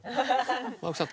青木さん